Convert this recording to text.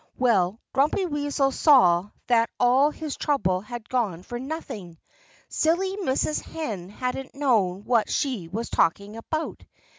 Well, Grumpy Weasel saw that all his trouble had gone for nothing. Silly Mrs. Hen hadn't known what she was talking about.